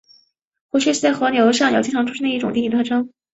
壶穴是在河流上游经常出现的一种地理特征。